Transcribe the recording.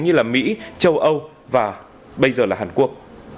như là mỹ châu âu và bây giờ là hàn quốc